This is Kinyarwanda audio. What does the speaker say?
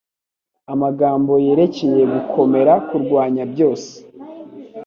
Amagambo Yerekeye Gukomera Kurwanya Byose